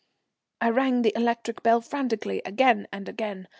I rang the electric bell frantically, again and again.